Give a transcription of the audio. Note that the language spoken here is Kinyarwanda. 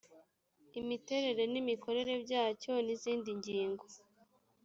imiterere n imikorere byacyo n izindi ngingo